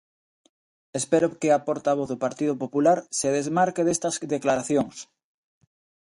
Espero que a portavoz do Partido Popular se desmarque destas declaracións.